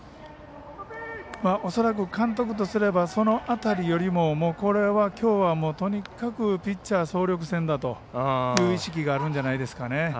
恐らく監督とすればその辺りよりもこれはきょうは、とにかくピッチャー総力戦だという意識があるんじゃないですかね。